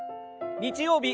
日曜日